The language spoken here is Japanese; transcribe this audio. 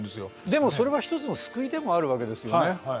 でもそれは一つの救いでもあるわけですよね。